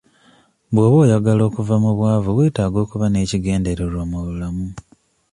Bw'oba oyagala okuva mu bwavu weetaaga okuba n'ekigendererwa mu bulamu.